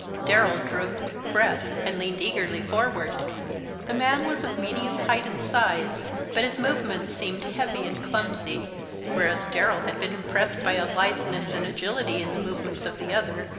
Darrell drew a quick breath and leaned eagerly forward. The man was of medium height and size, but his movements seemed heavy and clumsy, whereas Darrell had been impressed by a litheness and agility in the movements of the other.